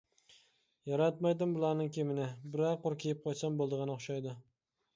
ياراتمايتتىم بۇلارنىڭ كىيىمىنى، بىرەر قۇر كىيىپ قويسام بولىدىغان ئوخشايدۇ.